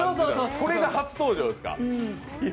それが初登場ですか。